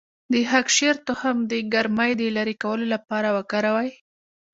د خاکشیر تخم د ګرمۍ د لرې کولو لپاره وکاروئ